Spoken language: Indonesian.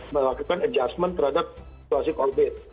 melakukan adjustment terhadap situasi covid